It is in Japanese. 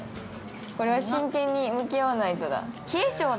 これは真剣に向き合わないとだ。